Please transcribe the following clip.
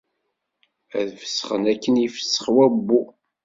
Ad fesxen akken ifessex wabbu.